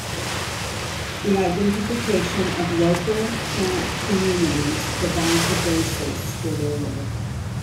The identification of local plant communities provides a basis for their work.